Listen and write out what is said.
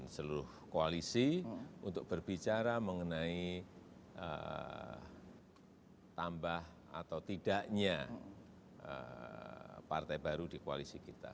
seluruh koalisi untuk berbicara mengenai tambah atau tidaknya partai baru di koalisi kita